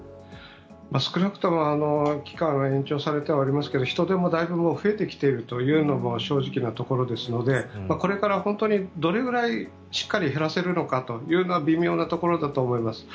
少なくとも期間が延長されてはおりますが人出もだいぶ増えてきているというのも正直なところですのでこれから本当にどれぐらいしっかり減らせるのかというのは微妙なところだと思います。